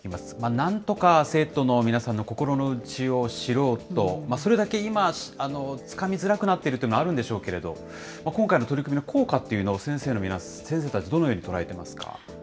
なんとか生徒の皆さんの心の内を知ろうと、それだけ今、つかみづらくなっているというのがあるんでしょうけれど、今回の取り組みの効果っていうのを先生たち、どのように捉えていますか。